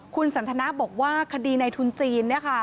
คุณสันทนาบอกว่าคดีในทุนจีน